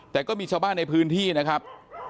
แต่ก็มีชาวบ้านในพื้นที่นะครับ